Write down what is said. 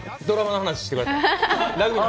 ドラマの話してください。